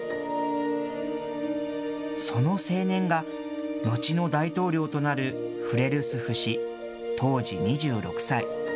その青年が、後の大統領となるフレルスフ氏、当時２６歳。